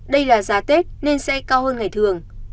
đây là giá tết nên sẽ cao